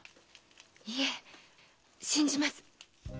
いえ信じます。